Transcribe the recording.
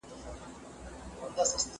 هغوی پخپله ودریدل.